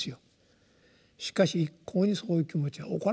しかし一向にそういう気持ちは起こらんと。